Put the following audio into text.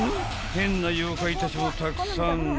［変な妖怪たちもたくさん］